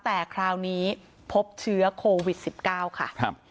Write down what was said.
แต่คราวนี้พบเชื้อโควิด๑๙ค่ะ